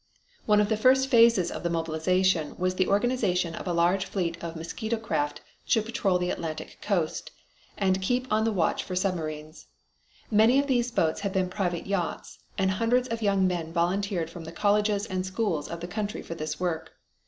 One of the first phases of the mobilization was the organization of a large fleet of mosquito craft to patrol the Atlantic Coast, and keep on the watch for submarines. Many of these boats had been private yachts, and hundreds of young men volunteered from the colleges and schools of the country for this work.